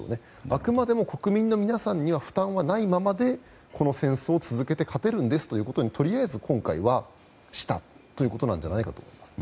あくまでも国民の皆さんには負担がないままでこの戦争を続けて勝てるんですということにとりあえず今回はしたということなんじゃないかと思います。